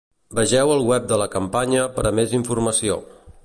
Vegeu el web de la campanya per a més informació.